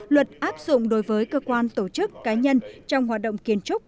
luật áp dụng đối với cơ quan tổ chức cá nhân trong hoạt động kiến trúc